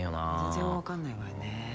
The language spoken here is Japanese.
全然わかんないわよね。